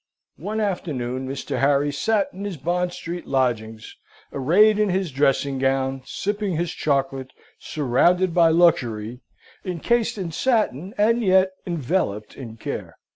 One afternoon, Mr. Harry sate in his Bond Street lodgings, arrayed in his dressing gown, sipping his chocolate, surrounded by luxury, encased in satin, and yet enveloped in care.